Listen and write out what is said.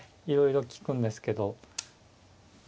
いろいろ利くんですけど。